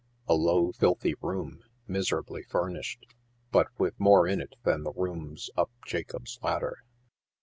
A low, filthy room, miserably furnished, but with more in it than the rooms up Jacob's Ladder.